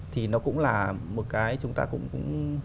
thì nó cũng là một cái chúng ta cũng